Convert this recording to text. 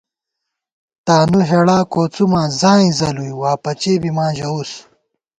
تانُو ہېڑا کوڅُوماں ځائیں ځَلُوئی، واپچے بی ماں ژَوُس